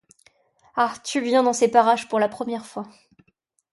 Ah! tu viens dans ces parages pour la première fois !